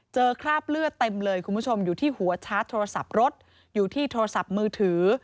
คราบเลือดเต็มเลยคุณผู้ชมอยู่ที่หัวชาร์จโทรศัพท์รถอยู่ที่โทรศัพท์มือถือ